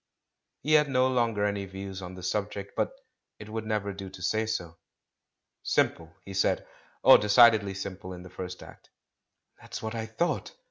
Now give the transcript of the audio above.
He had no longer any views on the subject, but it would never do to say so. "Simple," he said. "Oh, decidedly simple in the first act." "That's what I thought!"